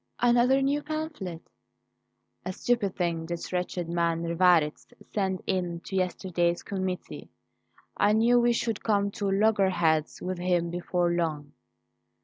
"Another new pamphlet?" "A stupid thing this wretched man Rivarez sent in to yesterday's committee. I knew we should come to loggerheads with him before long."